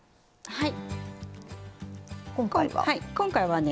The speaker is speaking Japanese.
はい。